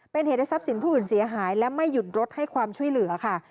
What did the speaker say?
เป็นเหตุให้ทรัพย์สินผู้อื่นเสียหายและไม่หยุดรถให้ความช่วยเหลือค่ะ